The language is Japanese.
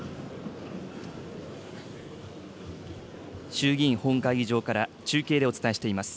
衆議院本会議場から中継でお伝えしています。